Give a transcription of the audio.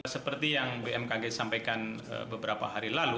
seperti yang bmkg sampaikan beberapa hari lalu